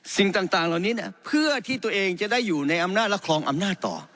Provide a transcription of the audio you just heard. สิ่งต่างเหล่านี้เพื่อที่ตัวเองจะได้อยู่ในอำนาจและครองอำนาจต่อ